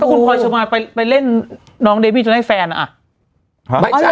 ถ้าคุณพลอยชมพูไปเล่นน้องเดมี่จนให้แฟนอะ